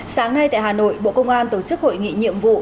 sáng nay tại hà nội bộ công an tổ chức hội nghị nhiệm vụ